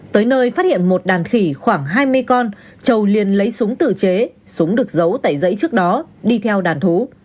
tới nơi phát hiện một đàn khỉ khoảng hai mươi con trầu liền lấy súng tự chế súng được giấu tại dãy trước đó đi theo đàn thú